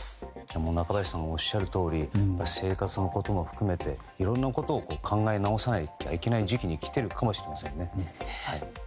中林さんがおっしゃるとおり生活のことも含めていろんなことを考え直さないといけない時期に来ているかもしれませんね。